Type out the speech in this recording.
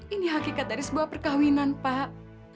ini hakikat dari sebuah perkawinan pak